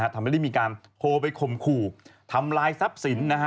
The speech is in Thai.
ทำให้ได้มีการโทรไปข่มขู่ทำลายทรัพย์สิน